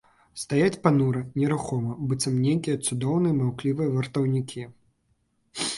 Стаяць панура, нерухома, быццам нейкія цудоўныя, маўклівыя вартаўнікі.